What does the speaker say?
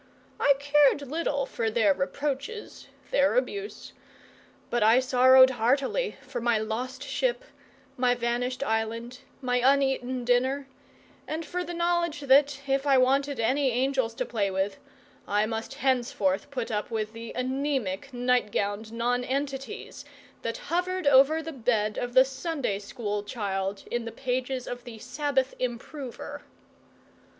I cared little for their reproaches, their abuse; but I sorrowed heartily for my lost ship, my vanished island, my uneaten dinner, and for the knowledge that, if I wanted any angels to play with, I must henceforth put up with the anaemic, night gowned nonentities that hovered over the bed of the Sunday school child in the pages of the Sabbath Improver.